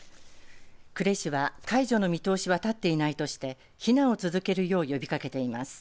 呉市は解除の見通しは立っていないとして避難を続けるよう呼びかけています。